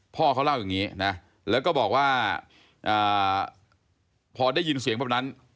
พ่อเขาเล่าอย่างนี้นะแล้วก็บอกว่าพอได้ยินเสียงแบบนั้น